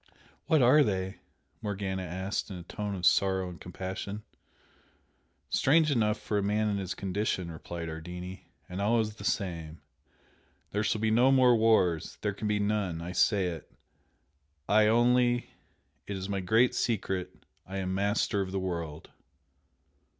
"What are they?" Morgana asked in a tone of sorrow and compassion. "Strange enough for a man in his condition" replied Ardini "And always the same. 'THERE SHALL BE NO MORE WARS! THERE CAN BE NONE! I SAY IT! I ONLY! IT IS MY GREAT SECRET! I AM MASTER OF THE WORLD!'